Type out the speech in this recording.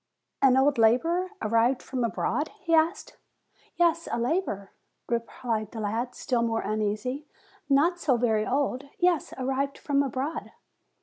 "An old laborer, arrived from abroad?" he asked. "Yes, a laborer," replied the lad, still more uneasy; "not so very old. Yes, arrived from abroad."